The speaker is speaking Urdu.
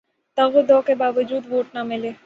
تگ و دو کے باوجود ووٹ نہ ملے